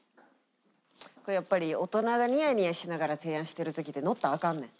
やっぱり大人がニヤニヤしながら提案してる時って乗ったらアカンねん。